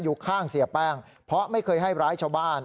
อยู่ข้างเสียแป้งเพราะไม่เคยให้ร้ายชาวบ้าน